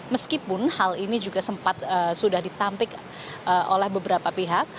meskipun hal ini juga sempat sudah ditampik oleh beberapa pihak